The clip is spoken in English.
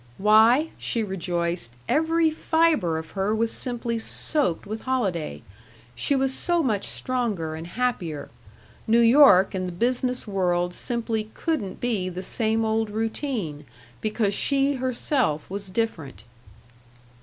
Why, she rejoiced, every fiber of her was simply soaked with holiday; she was so much stronger and happier; New York and the business world simply couldn't be the same old routine, because she herself was different.